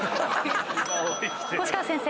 越川先生。